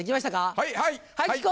はいはい！